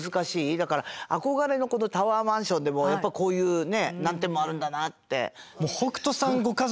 だから憧れのタワーマンションでもやっぱこういう難点もあるんだなって。